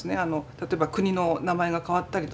例えば国の名前が変わったりとか。